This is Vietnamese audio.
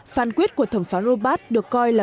phán quyết của thẩm phán robat được coi là